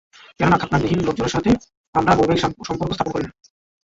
কেননা, খাৎনাবিহীন লোকদের সাথে আমরা বৈবাহিক সম্পর্ক স্থাপন করি না।